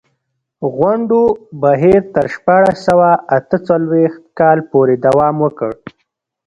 غونډو بهیر تر شپاړس سوه اته څلوېښت کال پورې دوام وکړ.